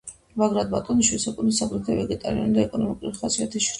ბაგრატ ბატონიშვილს ეკუთვნის აგრეთვე ვეტერინარული და ეკონომიკური ხასიათის შრომები.